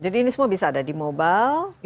jadi ini semua bisa ada di mobile